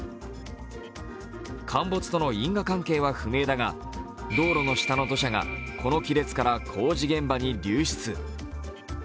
陥没との因果関係は不明だが道路の下の土砂がこの亀裂から工事現場に流出。